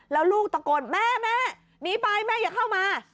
แล้วลูกตะโกนแม่แม่หนีไปแม่อย่าเข้ามา